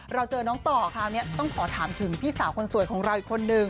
เราเจอน้องต่อคราวนี้ต้องขอถามถึงพี่สาวคนสวยของเราอีกคนนึง